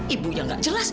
ibunya gak jelas